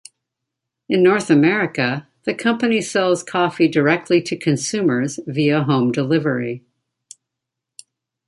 In North America, the company sells coffee directly to consumers via home delivery.